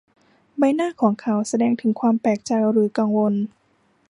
ใบหน้าของเขาแสดงถึงความแปลกใจหรือกังวล